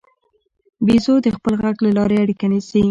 بیزو د خپل غږ له لارې اړیکه نیسي.